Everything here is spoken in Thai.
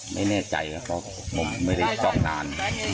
ไม่แน่ใจเพราะผมไม่ได้ชอบนาน